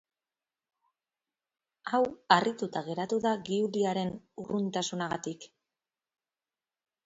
Hau harrituta geratu da Giuliaren urruntasunagatik.